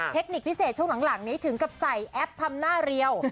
เทคนิคพิเศษช่วงหลังนี้ถึงกับใส่แอปทำหน้าเรียว